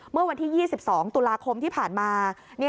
เมื่อวันที่๒๒ตุลาคมที่ผ่านมา